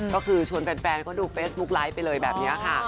ก็คือชวนแฟนเขาดูเฟซบุ๊กไลฟ์ไปเลยแบบนี้ค่ะ